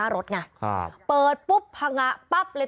รถที่จอดหน้าหรือ